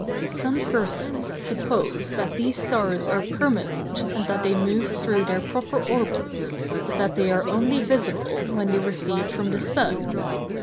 Some persons suppose that these stars are permanent and that they move through their proper orbits, but that they are only visible when they recede from the sun.